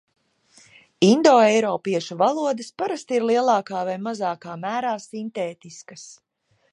Indoeiropiešu valodas parasti ir lielākā vai mazākā mērā sintētiskas.